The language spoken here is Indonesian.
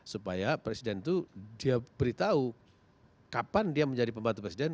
supaya presiden itu dia beritahu kapan dia menjadi pembantu presiden